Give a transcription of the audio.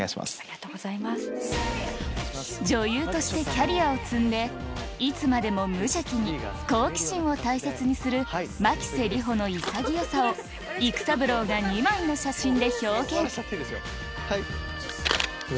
女優としてキャリアを積んでいつまでも無邪気に好奇心を大切にする牧瀬里穂の潔さを育三郎が２枚の写真で表現うわ